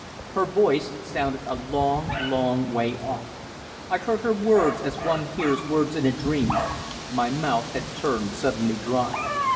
Her voice sounded a long, long way off. I heard her words as one hears words in a dream. My mouth had turned suddenly dry.